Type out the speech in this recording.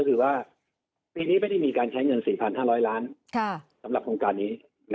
ก็คือว่าปีนี้ไม่ได้มีการใช้เงิน๔๕๐๐ล้านสำหรับโครงการนี้